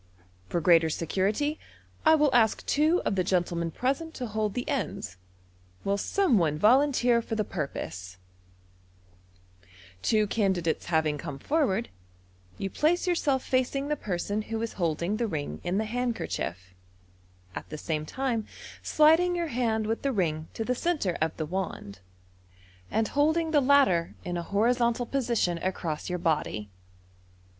For greater security, I will ask two of the gentlemen present to hold the enda Will some one volunteer for the purpose ?" Two candidates having come forward, you place yourself facing the person who is holding the ring in the handkerchief, at the same time sliding your hand with the ring to the centre of the wand, and holding the lai ter in a hori MODERN MAGIC. 231 zontal position across your body.